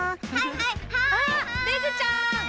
はいレグちゃん！